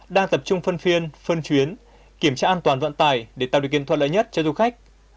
đang tập trung phân phiên phân chuyến kiểm tra an toàn vận tải để tạo điều kiện thuận lợi nhất cho du khách